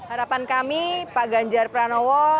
harapan kami pak ganjar pranowo